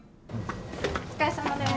お疲れさまです。